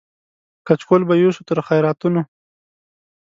کچکول به یوسو تر خیراتونو